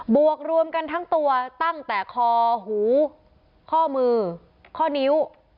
วกรวมกันทั้งตัวตั้งแต่คอหูข้อมือข้อนิ้ว